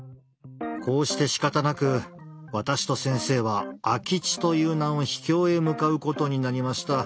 こうしてしかたなく私と先生は空き地という名の秘境へ向かうことになりました。